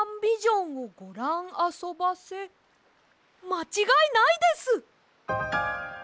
まちがいないです！